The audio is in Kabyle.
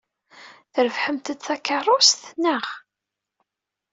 Trebḥemt-d takeṛṛust, naɣ?